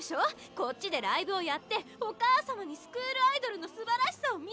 こっちでライブをやってお母様にスクールアイドルのすばらしさを見せると！